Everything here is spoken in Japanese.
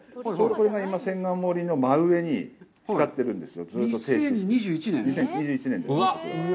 これが今、千貫森の真上に向かっているんですよ。